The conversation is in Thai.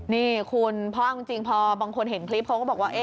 นี่คุณเพราะเอาจริงพอบางคนเห็นคลิปเขาก็บอกว่า